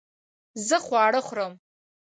زه خواړه خورم